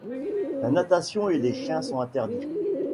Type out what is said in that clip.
La natation et les chiens sont interdits.